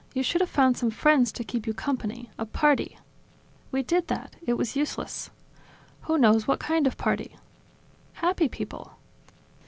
You should have found some friends to keep you company, a party ..." "We did that; it was useless." "Who knows what kind of party!" "Happy people